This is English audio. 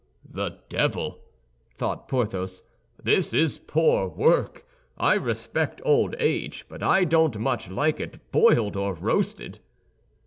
"The devil!" thought Porthos, "this is poor work. I respect old age, but I don't much like it boiled or roasted."